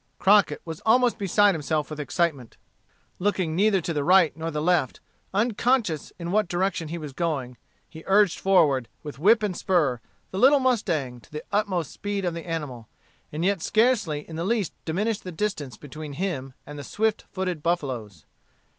Crockett was almost beside himself with excitement. Looking neither to the right nor the left, unconscious in what direction he was going, he urged forward, with whip and spur, the little mustang, to the utmost speed of the animal, and yet scarcely in the least diminished the distance between him and the swift footed buffaloes.